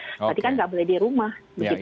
berarti kan nggak boleh di rumah